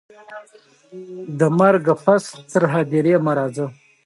انسان په ذاتي توګه ارزښتمن دی.